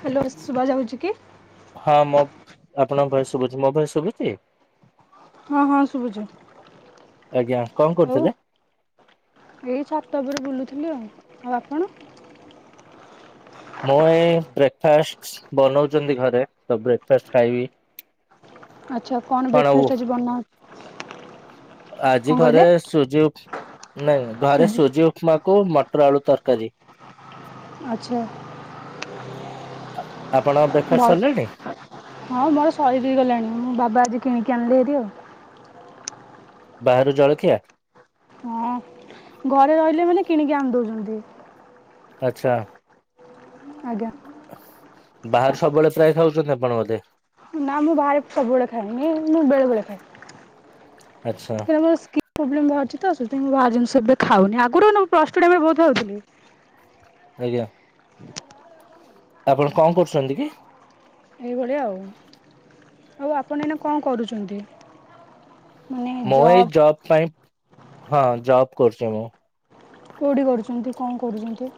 Hello ଶୁବା ଯାଉଛି କି? ହଁ ମୋ ଆପଣଙ୍କ ଭଏସ ଶୁଭୁଛି ମୋ ଭଏସ ଶୁଭୁଛି? ହଁ ହଁ ଶୁଭୁଚି। ଆଜ୍ଞା କଣ କରୁଥିଲେ? ଏଇ ଛାତ ଉପରେ ବୁଲୁଥିଲି ଆଉ ଆଉ ଆପଣ? ମୁଁ ଏଇ ବ୍ରେକଫାଷ୍ଟ୍ ବନଉଚନ୍ତି ଘରେ ତ ବ୍ରେକଫାଷ୍ଟ୍ ଖାଇବି। ଆଚ୍ଛା କଣ ବ୍ରେକଫାଷ୍ଟ୍ ଆଜି ବନା ହଉ ଆଜି ଘରେ କହିଲେ? ସୁଜି ଉପ୍ ନାଇଁ ଘରେ ସୁଜି ଉପମାକୁ ମଟର ଆଳୁ ତରକାରୀ। ଆଚ୍ଛା ଆ ଆପଣ ବ୍ରେକଫା ଭଲ ସରିଲାଣି? ହଁ ମୋର ସରି ବି ଗଲାଣି ମୋ ବାବା ଆଜି କିଣିକି ଆଣିଲେ ସେହି ଆଉ। ବାହାରୁ ଜଳଖିଆ? ହଁ। ଘରେ ରହିଲେ ମାନେ କିଣିକି ଆଣଦୋଉଚନ୍ତି। ଆଚ୍ଛା। ଆଜ୍ଞା। ବାହାରୁ ସବୁବେଳେ ପ୍ରାୟ ଖାଉଛନ୍ତି ଆପଣ ବୋଧେ? ନାଁ ମୁଁ ବାହାରେ ସବୁବେଳେ ଖାଏନି ଏ ମୁଁ ବେଳେ ବେଳେ ଖାଏ। ଆଚ୍ଛା। ତା ମୋ ସ୍କିନ୍ ପ୍ରୋବ୍ଲେମ୍ ବାହାରୁଚି ତ ସେଇଥିପାଇଁ ମୁଁ ବାହାର ଜିନିଷ ଏବେ ଖାଉନି ଆଗରୁ ନୁ ମୁଁ ପ୍ଲସ୍ ଟୁ ଟାଇମ୍ ରେ ବୋହୁତ ଖାଉଥିଲି। ଆୟା। ଆପଣ କଁ କରୁସନ୍ତି କି? ଏଇ ଭଳିଆ ଆଉ। ଆଉ ଆପଣ ଏଇନା କଁ କରୁଚନ୍ତି? ମୁଁ ଏଇ ଜବ୍ ପାଇଁ। ହଁ ଜବ୍ କରୁଚି ମୁଁ। କୋଉଠି କରୁଚନ୍ତି କଁ କରୁଚନ୍ତି?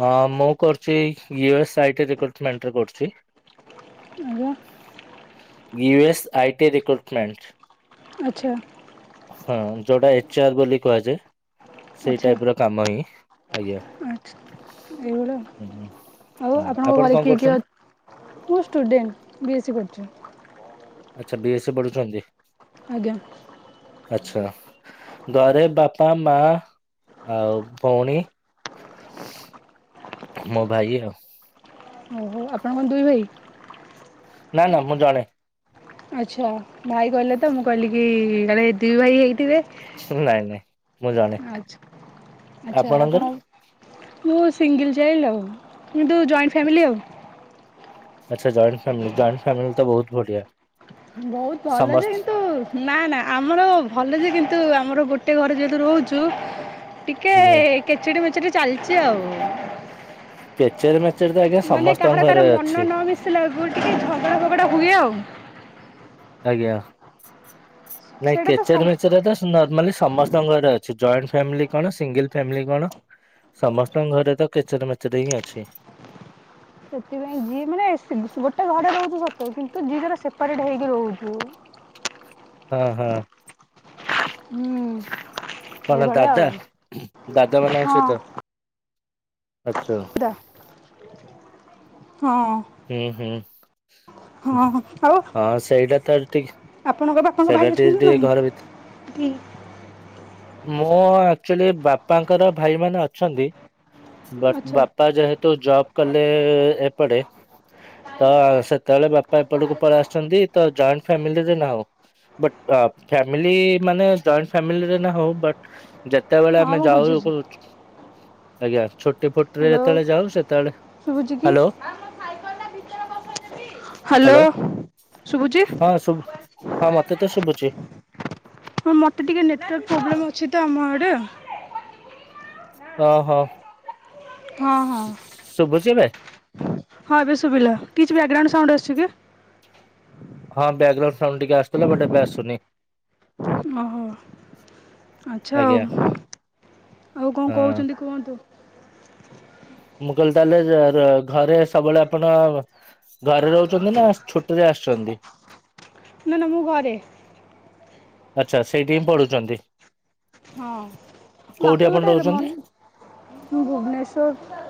ହଁ, ମୁଁ କରୁଚି U S I T recruitment ରେ କରୁଚି। ଆଜ୍ଞା। U S I T recruitment. ଆଚ୍ଛା। ହଁ, ଯୋଉଟା ଏଚ୍ ଆର୍ ବୋଲି କୁହାଯାଏ। ସେଇ ଆଚ୍ଛା ଟାଇପ୍ ର କାମ ଇ ଆଜ୍ଞା ଆଚ୍ଛା ଏଇଭଳିଆ ଉଁ ହଁ, ଆଉ ଆପଣଙ୍କ ଆପଣ ଘରେ କଁ କିଏ କିଏ ଅ କରୁଚନ୍ତି? ମୁଁ ଷ୍ଟୁଡଣ୍ଟ୍ ବି ଏ ସି କରୁଚି। ଆଚ୍ଛା ବି ଏ ସି ପଢ଼ୁଛନ୍ତି। ଆଜ୍ଞା। ଆଚ୍ଛା। ଗରେ ବାପା ମା ଆଉ ଭଉଣୀ ମୋ ଭାଇ ଆଉ। ଓହୋ ଆପଣ କଁ ଦୁଇ ଭାଇ? ନାଁ, ନାଁ ମୁଁ ଜଣେ। ଆଚ୍ଛା ଭାଇ କହିଲେ ତ ମୁଁ କହିଲି କି କାଳେ ଦୁଇ ଭାଇ ହେଇଥିବେ। ହୁଁ ନାଇଁ ନାଇଁ ମୁଁ ଜଣେ ଆଚ୍ଛା ଆଚ୍ଛା ଆପଣ ଆପଣଙ୍କର? ମୁଁ ସିଙ୍ଗଲ୍ ଚାଇଲଡ୍ ଆଉ କିୁନ୍ତୁ ଜଏଣ୍ଟ୍ ଫ୍ୟାମିଲି ଆଉ। ଆଚ୍ଛା ଜଏଣ୍ଟ୍ ଫ୍ୟାମିଲି ଜଏଣ୍ଟ ଫ୍ୟାମିଲି ତ ବୋହୁତ ବଢ଼ିଆ। ବୋହୁତ ଭଲ ଯେ କିନ୍ତୁ ନାଁ, ନାଁ ଆମର ଭଲ ଯେ କିନ୍ତୁ ଆମର ଗୋଟେ ଘରେ ଯେହେତୁ ରହୁଚୁ ଟିକେ ଆଜ୍ଞା କେଚେଡ଼େ ମେଚେରେ ଚାଲିଚି ଆଉ। କେଚେରେ ମେଚେରେ ତ ଆଜ୍ଞା ସମସ୍ତଙ୍କ ଘରେ ଅଛି। ସେ ଲାଗୁ ଟିକେ ଝଗଡ଼ା ଫଗଡ଼ା ହୁଏ ଆଉ। ଆଜ୍ଞା [unintelligible] ନାଇଁ ସେଇଟା ତ କେଚେର୍ ସବ ମେଚେର୍ ତ ନର୍ମାଲି ସମସ୍ତଙ୍କ ଘରେ ଅଛି, ଜଏଣ୍ଟ୍ ଫାମିଲି କଣ ସିଙ୍ଗିଲ୍ ଫ୍ୟାମିଲି କଣ ସମସ୍ତଙ୍କ ଘରେ ତ କେଚେରେ ମେଚେରେ ହିଁ ଅଛି। ସେଥିପାଇଁ ଯି ମାନେ ସେ ଗୋଟେ ଘରେ ରହୁଚୁ ସତ କିନ୍ତୁ ଯିଏ ଯାର ସେପାରେଟ୍ ହେଇକି ରହୁଚୁ। ହଁ ହଁ। ହୁଁ। ଏଇ କଣ ଭଳିଆ ଆଉ ଦାଦା ଦାଦା ମାନଙ୍କ ସହିତ ହଁ। ଆଚ୍ଛା ଦ ହଁ। ହୁଁ ହୁଁ। ହଁ ଆଉ ହଁ ସେଇଟା ତ ଠିକ ଆପଣଙ୍କ ବାପାଙ୍କ ଭାଇ ସେଇଟା ଅଛନ୍ତି ଟିକେ ନା ଟିକେ ନାହିଁ? ଘର ଭିତ ଦି ମୁଁ ଆକଚୋଲି ବାପାଙ୍କର ଭାଇମାନେ ଅଛନ୍ତି ବଟ୍ ବା ଆଚ୍ଛା ବାପା ଯେହେତୁ ଜବ୍ କଲେ ଏପଟେ। ତ ସେତେବେଳେ ବାପା ଏପଟକୁ ପଳିଆସଚନ୍ତି ତ ଜଏଣ୍ଟ ଫ୍ୟାମିଲିରେ ନାହୁଁ। ବୁଟ୍ ଅ ଫ୍ୟାମିଲି ମାନେ ଜଏଣ୍ଟ ଫ୍ୟାମିଲିରେ ହୋଉ ବଟ୍ ଯେତେବେଳେ ହଁ ଆମେ ମୁଁ ଯାଉ ବୁଝୁଛି କୋଉ ଆଜ୍ଞା ଛୁଟି ଫୁ ଟିରେ ଯେତେବେଳେ ଯାଉ ସେତ ଶୁଭୁଚି କି? ହାଲୋ ହ୍ୟାଲୋ ଶୁଭୁଚି? ହଁ ଶୁଭୁ ହଁ ମତେ ତ ଶୁଭୁଚି। ହଁ ମତେ ଟିକେ ନେଟୱାର୍କ ପ୍ରୋବ୍ଲେମ୍ ଅଛି ତ ଆମ ଆଡେ। ଅହ। ହଁ ହଁ। ଶୁଭୁଚି ଏବେ? ହଁ ଏବେ ସୁଭିଲା କିଛି ବ୍ୟାଗ୍ରାଉଣ୍ଡ୍ ସାଉଣ୍ଡ୍ ଆସୁଚି କି? ହଁ ବ୍ୟାଗ୍ରାଉଣ୍ଡ ସାଉଣ୍ଡ ଟିକେ ଆସୁଥୁଲା ବଟ ଏବେ ଆସୁନି। ଓହୋ। ଆଚ୍ଛା ଆଉ ଆଜ୍ଞା ଆଉ କଣ ହଁ। କୋହୁଚନ୍ତି କୁହନ୍ତୁ। ମୁଁ କହିଲି ତାହେଲେ ର-ର-ଘରେ ସବୁବେଳେ ଆପଣ ଘରେ ରହୁଚନ୍ତି ନା ଛୁଟିରେ ଆସଚନ୍ତି? ନା ନା ମୁଁ ଘରେ। ଆଚ୍ଛା ସେଇଠି ହିଁ ପଢୁଚନ୍ତି। ହଁ ବାପା ଆପଣ ମତେ ଏରା ରହୁଛନ୍ତି? ମନ୍ ମୁଁ ଭୁବନେଶ୍ୱର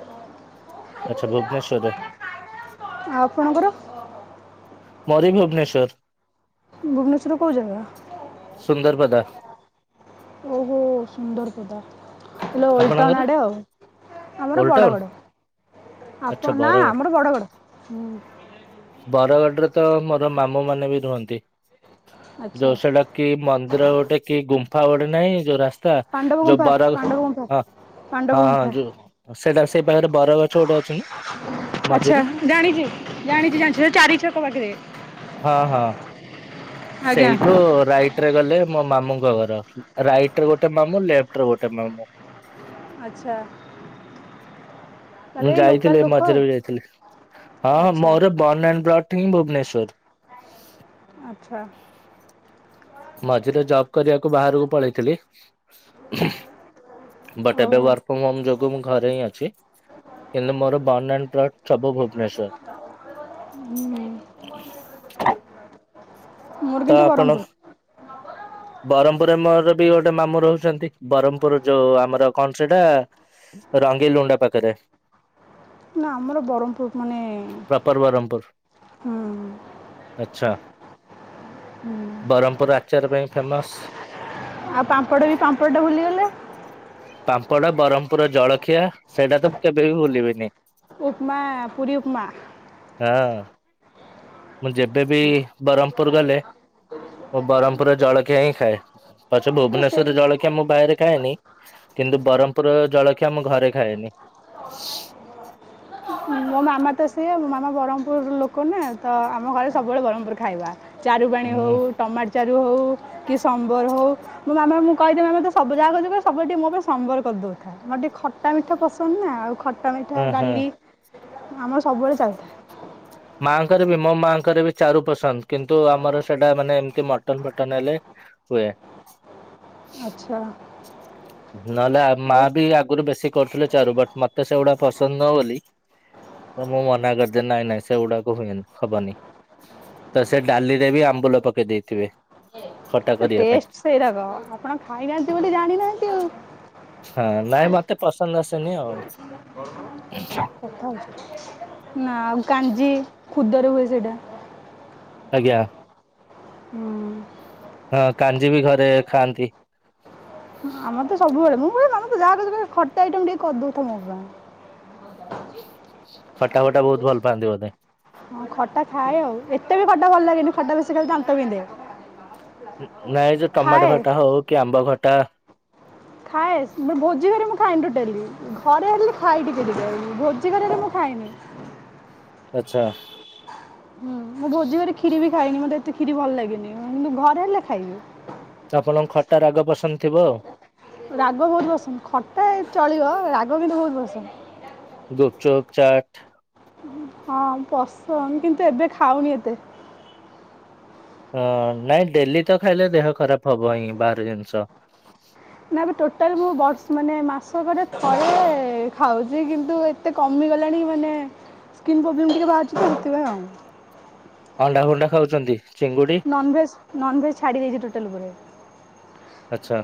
ଆଚ୍ଛା ଭୁବନେଶ୍ୱରରେ। ଆଉ ଆପଣଙ୍କର? ମୋର ବି ଭୁବନେଶ୍ୱର। ଭୁବନେଶ୍ୱରର କୋଉ ଜାଗା? ସୁନ୍ଦରପଦା। ଓହୋ ସୁନ୍ଦରପଦା। ହେଲା ଓଲଡ୍ ଟାଉନ୍ ଆପଣଙ୍କର ଆଡେ ଆଉ ଆମର ଓଲଟାଉନ ବଡଗଡ। ଆଚ୍ଛା ଆପଣ୍ ନା ବରଗଡ଼। ଆମର ବଡଗଡ। ବରଗଡରେ ତ ମୋର ମାମୁଁମାନେ ବି ରୁହନ୍ତି ଆଚ୍ଛା ଯୋଉ ସେଟା କି ମନ୍ଦିର ଗୋଟେ କି ଗୁମ୍ଫା ଗୋଟେ ନାହିଁ ଯୋଉ ରାସ୍ତା ପାଣ୍ଡବ ଯୋଉ ଗୁମ୍ଫା ବର ପାଣ୍ଡବ ଗୁମ୍ଫା ପାଣ୍ଡବ ହଁ ହଁ ଗୁମ୍ଫା ଯୋଉ ସେଟା ସେଇ ପାଖରେ ବରଗଛ ଗୋଟେ ଅଛି ନା? ମଝିରେ। ଆଚ୍ଛା ଜାଣିଚି ଜାଣିଚି ଜାଣିଚି ସେ ଚାରିଛକ ପାଖରେ। ହଁ ହଁ ଆଜ୍ଞା ସେଇଠୁ ରାଇ ଟରେ ଗଲେ ମୋ ମାମୁଙ୍କ ଘର ରାଇଟରେ ଗୋଟେ ମାମୁଁ ଲେଫ୍ଟରେ ଗୋଟେ ମାମୁଁ। ଆଚ୍ଛା। ମୁଁ ତାହେଲେ ଏଇ ଯାଇଥିଲି ଲୋକାଲ୍ ଲୋକ ଆଉ ମଝିରେ ବି ଯାଇଥିଲି ହଁ ହଁ ଆଚ୍ଛା ମୋର ବର୍ନ ଆଣ୍ଡ ବ୍ରଟ ହିଁ ଭୁବନେଶ୍ୱର। ଆଚ୍ଛା। ମଝିରେ ଜବ କରିବାକୁ ବାହାରକୁ ପଳେଇଥିଲି। ବଟ ଏବେ ଓହୋ ୱାର୍କ ଫ୍ରମ୍ ହୋମ ଯୋ ଗୁ ମୁଁ ଘରେ ହିଁ ଅଛି କିନ୍ତୁ ମୋର ବର୍ନ ଆଣ୍ଡ ବ୍ରଟ ସବୁ ଭୁବନେଶ୍ଵର। ଉଁ। ମୋର ତ କିନ୍ତୁ ଆପଣ ବ୍ରହ୍ମପୁର ବରହମପୁରରେ ମୋର ବି ଗୋଟେ ମାମୁଁ ରହୁଚନ୍ତି ବରହମପୁର ଯୋଉ ଆମର କଣ ସେଟା ରଙ୍ଗେ ଲୁଣ୍ଡା ପାଖରେ। ନା ଆମର ବ୍ରହ୍ମପୁର ମାନେ ପ୍ରପର ବ୍ରହ୍ମପୁର ହୁଁ। ଆଚ୍ଛା। ହୁଁ। ବ୍ରହ୍ମପୁର ଆଚାର ପାଇଁ ଫେମସ। ଆଉ ପାମ୍ପଡ଼ ବି ପାମ୍ପଡ଼ଟା ଭୁଲିଗଲେ। ପାମ୍ପଡା ବ୍ରହ୍ମପୁର ର ଜଳଖିଆ ସେଇଟା ତ ମୁଁ କେବେ ବି ଭୁଲିବିନି। ଉପମା ପୁରୀ ଉପମା। ଆ ମୁଁ ଯେବେ ବି ବରହ୍ମ ପୁର ଗଲେ ମୁଁ ବ୍ରହ୍ମପୁରରେ ଜଳକିଆ ହିଁ ଖାଏ। ପଛେ ସେ ଭୁବନେଶ୍ୱରରେ ଜଳଖିଆ ମୁଁ ବାଏରେ ଖାଏନି କିନ୍ତୁ ବ୍ରହ୍ମପୁର ର ଜଳଖିଆ ଆମ ଘରେ ଖାଏନି। ମୋ ମାମା ତ ସିଏ ମୋ ମାମା ବ୍ରହ୍ମପୁର ଲୋକ ନା ତ ଆମ ଘରେ ସବୁବେଳେ ବ୍ରହ୍ମପୁର ଖାଇବା। ଚାରୁ ପାଣି ହଉ ହୁଁ ଟମାଟ ଚାରୁ ହଉ। କି ସମ୍ବର ହଉ ମୋ ମାମା ମୁଁ କହିଦେବି ମାମା ତୁ ସବୁ ଯାକ କରୁଚୁ ସବୁବେଳେ ଟିକେ ମୋ ପାଇଁ ସମ୍ବର କରିଦଉଥାଏ। ମୋର ଟିକେ ଖଟା ମିଠା ପସନ୍ଦ ନା ଆଉ ଖଟା ମିଠା ହଁ ହଁ। ଡାଲି ଆମର ସବୁବେଳେ ଚାଲିଥାଏ। ମାଆଙ୍କର ବି ମୋ ମାଙ୍କର ବି ଚାରୁ ପସନ୍ଦ କିନ୍ତୁ ଆମର ସେଟା ମାନେ ଏମତି ମଟନ ଫଟନ ହେଲେ ହୁଏ। ଆଚ୍ଛା। ନହେଲେ ମା ଆଉ ବି ଆଗରୁ ବେଶୀ କରୁଥିଲେ ଚାରୁ ବଟ ମତେ ସେଗୁଡା ପସନ୍ଦ ନୁହ ବୋଲି ତ ମୁଁ ମନା କରିଦିଏ ନାଇଁ ନାଇଁ ସେଗୁଡାକ ହୁଏନି ହବନି ତ ସେ ଡାଲିରେ ବି ଆମ୍ବୁଲ ପକେଇ ଦେଇଥିବେ। ଖଟା କରିବା ପାଇଁ ଟେଷ୍ଟ ସେଇରାକ ଆପଣ ଖାଇନାହାନ୍ତି ବୋଲି ଜାଣିନାହାନ୍ତି ଆଉ। ହଁ ନାଇଁ ମତେ ପସନ୍ଦ ଆସେନି ଆଉ। [inaudible] ନା ଆଉ କାଞ୍ଜି ଖୁଦରେ ହୁଏ ସେଇଟା। ଆଜ୍ଞା। ହଁ। ହଁ କାଞ୍ଜି ବି ଘରେ ଖାଆନ୍ତି। ଆମର ତ ସବୁବେଳେ ମୁଁ ମୋ ମାମା କୁ ଯାହା କରୁଛୁ କରେ ଖଟା ଆଇଟମ ଟିକେ କରିଦଉଥା ମୋ ପାଇଁ। ଖଟା ଫଟା ବହୁତ ଭଲ ପାଆନ୍ତି ବୋଧେ? ହଁ ଖଟା ଖାଏ ଆଉ ଏତେ ବି ଖଟା ଭଲ ଲାଗେନି ଖଟା ବେଶୀ ଖାଇଲେ ଦାନ୍ତ ବିନ୍ଧେ। ନାଇଁ ଯେ ଟମାଟୋ ଖାଏ। ଖଟା ହଉ କି ଆମ୍ବ ଖଟା ଖାଏ ମୁଁ ଭୋଜି ଘରେ ମୁଁ ଖାଏନି ଟୋଟାଲି ଘରେ ହେଲେ ଖାଇ ଟିକେ ଟିକେ ମୁଁ ଭୋଜି ଘରେ ହେଲେ ମୁଁ ଖାଏନି ଆଚ୍ଛା। ହୁଁ ମୁଁ ଭୋଜି ଘରେ କ୍ଷୀରି ବି ଖାଇନି ମତେ ଏତେ କ୍ଷୀରି ଭଲ ଲାଗେନି କିନ୍ତୁ ଘରେ ହେଲେ ଖାଇବି। ତ ଆପଣଙ୍କୁ ଖଟା ରାଗ ପସନ୍ଦ ଥିବ ଆଉ। ରାଗ ବହୁତ ପସନ୍ଦ ଖଟା ଚଳିବ ରାଗ କିନ୍ତୁ ବହୁତ ପସନ୍ଦ। ଗୁପଚୁପ୍ ଚାଟ୍ ହଁ ପସନ୍ଦ କିନ୍ତୁ ଏବେ ଖାଉନି ଏତେ। ହଁ ନାଇଁ ଡେଲି ତ ଖାଇଲେ ଦେହ ଖରାପ ହବ ହିଁ ବାହାର ଜିନିଷ। ନା ମୁଁ ଟୋଟାଲ ମୁଁ ବର୍ଷ ମାନେ ମାସକରେ ଥରେ ଖାଉଛି କିନ୍ତୁ ଏତେ କମିଗଲାଣି ମାନେ ସ୍କିନ୍ ପ୍ରୋବ୍ଲେମ୍ ଟିକେ ବାହାରୁଛି ତ ହେଥିପାଇଁ ଆଉ। ଅଣ୍ଡା ଫଣ୍ଡା ଖାଉଛନ୍ତି? ଚିଙ୍ଗୁଡି ନନଭେଜ୍ ନନଭେଜ୍ ଛାଡ଼ି ଦେଇଛି ଟୋଟାଲି ଉପରେ। ଆଛା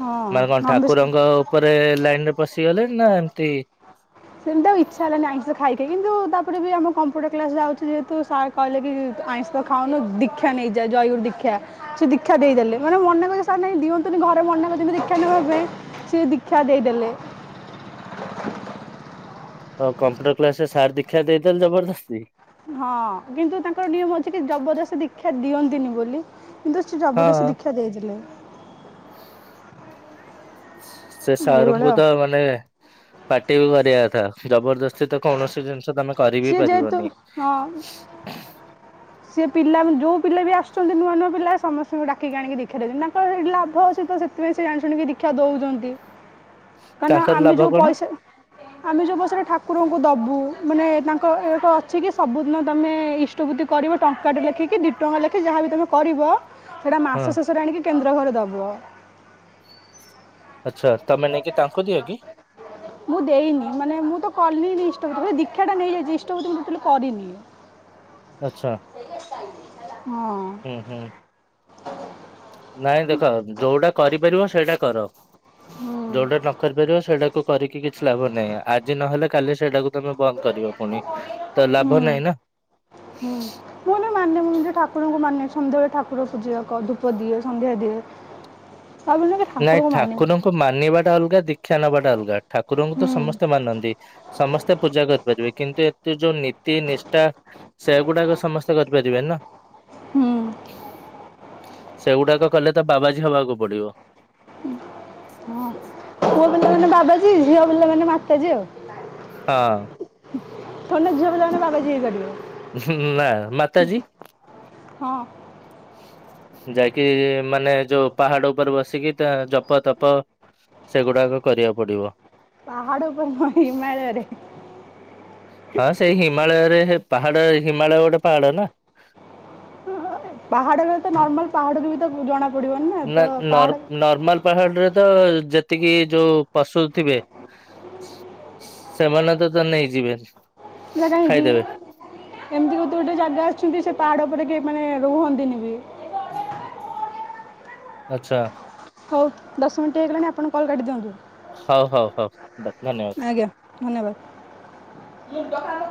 ହଁ ନା କଣ ନନଭେଜ୍ ଠାକୁରଙ୍କ ଉପରେ ଲାଇନ ରେ ପଶିଗଲେ ନା ଏମତି ସେମିତି ଆଉ ଇଚ୍ଛା ହେଲାନି ଆଇଁଷ ଖାଇ ଖାଇ କିନ୍ତୁ ତାପରେ ବି ଆମ କମ୍ପ୍ୟୁଟର କ୍ଲାସ୍ ଯାଉଥିଲି ଯେହେତୁ ସାର୍ କହିଲେ କି ଆଇଁଷ ତ ଖାଉନୁ ଦୀକ୍ଷା ନେଇଯା ଜୟଗୁରୁ ଦୀକ୍ଷା। ସେ ଦୀକ୍ଷା ଦେଇଦେଲେ ମାନେ ମନା କରୁଛି ସାର୍ ନାହିଁ ଦିଅନ୍ତୁନି ଘରେ ମନା କରିଛନ୍ତି ଦୀକ୍ଷା ନେବା ପାଇଁ, ସେ ଦୀକ୍ଷା ଦେଇ ଦେଲେ। ହଁ କମ୍ପ୍ୟୁଟର କ୍ଲାସ ରେ ସାର୍ ଦୀକ୍ଷା ଦେଇଦେଲେ ଜବରଦସ୍ତି। ଉଁ ହଁ କିନ୍ତୁ ତାଙ୍କର ନିୟମ ଅଛି କି ଜବରଦସ୍ତୀ ଦୀକ୍ଷା ଦିଅନ୍ତିନି ବୋଲି। କିନ୍ତୁ ସେ ହଁ ଜବରଦସ୍ତୀ ଦୀକ୍ଷା ଦେଇଦେଲେ। ସେ ଏଇଭଳିଆ ସାରୁଙ୍କୁ ଆଉ ତ ମାନେ। ପାଟି ବି କରିବା କଥା ଜବରଦସ୍ତି ତ କୌଣସି ଜିନିଷ ତମେ। କରିବିି ସିଏ ଯେହେତୁ ପାରିବନି। ହଁ ସିଏ ପିଲା ଯଉ ପିଲା ବି ଆସୁଛନ୍ତି ନୂଆ ନୂଆ ପିଲା ସମସ୍ତଙ୍କୁ ଡାକିକି ଆଣିକି ଦୀକ୍ଷା ଦେଉଛନ୍ତି ତାଙ୍କର ସେଇଠି ଲାଭ ଅଛି ତ ସେ ସେଥିପାଇଁ ସେ ଜାଣିଶୁଣିକି ଦୀକ୍ଷା ଦଉଛନ୍ତି। [inaudible] କାହିଁକି ନା ତାଙ୍କର ଆମେ ଲାଭ ଯୋଉ କଣ ପଇସା ଆମେ ଯୋଉ ପଇସାରେ ଠାକୁରଙ୍କୁ ଦବୁ ମାନେ। ତାଙ୍କ ଏକ ଅଛି କି ସବୁଦିନ ତମେ ଇଷ୍ଟବୁତି କରିବ ଟଙ୍କାଟେ ଲେଖେକି ଦୁଇ ଟଙ୍କା ଲେଖେ ଯାହାବି ତମେ କରିବ। ସେଇଟା ହଁ ମାସ ଶେଷରେ ଆଣିକି କେନ୍ଦ୍ର ଘରେ ଦବ। ଆଚ୍ଛା ତମେ ନେଇକି ତାଙ୍କୁ ଦିଅ କି? ମୁଁ ଦେଇନି ମାନେ ମୁଁ ତ କଲିନି ଇଷ୍ଟବୁତି [unintelligible] ଦୀକ୍ଷା ଟା ନେଇଯାଇଛି ଇଷ୍ଟବୁତି ମୁଁ ଟୋଟାଲି କରିନି। ଆଚ୍ଛା ହଁ। ହୁଁ ହୁଁ। ନାଇଁ ଦେଖ ଯୋଉଟା କରିପାରିବ ସେଇଟା କର। ହୁଁ ଯୋଉଟା ନ କରିପାରିବ ସେଇଟାକୁ କରିକି କିଛି ଲାଭ ନାହିଁ ଆଜି ନହେଲେ କାଲି ସେଇଟାକୁ ତମେ ବନ୍ଦ କରିବ ପୁଣି ତ ହୁଁ ଲାଭ ନାହିଁ ନା। ହୁଁ। ମୁଁ [unintelligible] ମାନେ ମୁଁ ନିଜେ ଠାକୁରଙ୍କୁ ମାନେ ସନ୍ଧ୍ୟାବେଳେ ଠାକୁର ପୂଜା କ ଧୂପ ଦିଏ ସନ୍ଧ୍ୟା ଦିଏ। ଭାବିଲି କି ନାଇଁ ମାନେ ଠାକୁରଙ୍କୁ ମାନିବା ଟା ଅଲଗା ଦୀକ୍ଷା ନବାଟା ଅଲଗା। ଠାକୁରଙ୍କୁ ତ ହୁଁ ସମସ୍ତେ ମାନନ୍ତି ସମ ତ ପୂଜା କରିପାରିବେ କିନ୍ତୁ ଏତେ ଯୋଉ ନୀତି ନିଷ୍ଠା ସେଗୁଡାକ ସମସ୍ତେ କରିପାରିବେ ନା। ହୁଁ ସେଗୁଡାକ କଲେ ତ ବାବାଜୀ ହବାକୁ ପଡିବ। ହଁ ପୁଅ ପିଲାମାନେ ବାବାଜୀ ଝିଅ ପିଲାମାନେ ମାତାଜୀ ଆଉ। ହଁ। ଥୋଡି ନା ଝିଅ ପିଲା ମାନେ ବାବାଜୀ ହେଇ ପାରିବେ। ହୁଁ ନା ମାତାଜୀ। ହଁ। ହୁଁ ଯାଇକି ମାନେ ଯୋଉ ପାହାଡ ଉପରେ ବସିକି ତା ଜପ ତପ। ସେଗୁଡାକ କରିବାକୁ ପଡିବ। ପାହାଡ ଉପରେ ନୁହଁ ହିମାଳୟରେ। ହଁ ସେଇ ହିମାଳୟରେ ହେ ପାହାଡ ହିମାଳୟ ଗୋଟେ ପାହାଡ ନା। ଉଁ ହଁ ହଁ ଏ ପାହାଡରେ ତ ନର୍ମାଲ ପାହାଡକୁ ବି ତ ଜଣା ପଡ଼ିବନି ନା ତ ନର୍ ପାହାଡ଼ ନର୍ମାଲ ପାହାଡରେ ତ ଯେତିକି ଯୋଉ ପଶୁ ଥିବେ। ସେମାନେ ତତେ ନେଇଯିବେ। ନା କାହିଁକି। ଖାଇଦେବେ ଏମିତି ଗୋଟେ ଗୋଟେ ଜାଗା ଅଛି ବି ସେ ପାହାଡ ଉପରେ କେହି ମାନେ ରୁହନ୍ତିନି ବି। [inaudible] ଆଚ୍ଛା। ହଉ ଦଶ ମିନିଟ୍ ହେଇଗଲାଣି ଆପଣ କଲ୍ କାଟିଦିଅନ୍ତୁ। ହଉ ହଉ ହଉ ବାକି ଧନ୍ୟବାଦ। ଆଜ୍ଞା ଧନ୍ୟବାଦ।